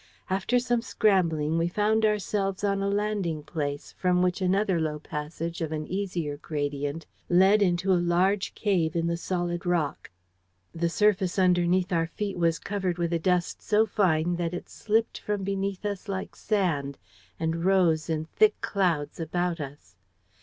After some scrambling we found ourselves on a landing place, from which another low passage of an easier gradient led into a large cave in the solid rock. "The surface underneath our feet was covered with a dust so fine that it slipped from beneath us like sand, and rose in thick clouds about us.